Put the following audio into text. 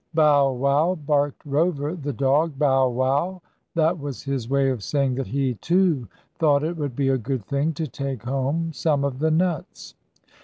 "Bow wow!" barked Rover, the dog. "Bow wow!" That was his way of saying that he, too, thought it would be a good thing to take home some of the nuts.